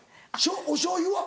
おしょうゆは？